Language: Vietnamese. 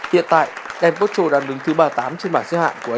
hiện tại dancocho đang đứng thứ ba mươi tám